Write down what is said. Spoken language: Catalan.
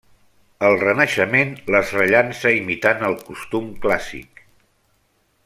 El Renaixement les rellança, imitant el costum clàssic.